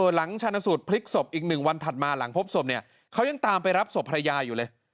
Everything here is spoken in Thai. ชาญสูตรพลิกศพอีก๑วันถัดมาหลังพบศพเนี่ยเขายังตามไปรับศพภรรยาอยู่เลย